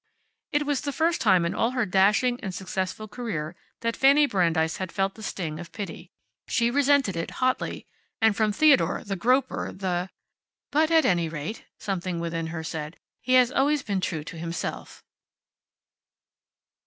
It was the first time in all her dashing and successful career that Fanny Brandeis had felt the sting of pity. She resented it, hotly. And from Theodore, the groper, the "But at any rate," something within her said, "he has always been true to himself."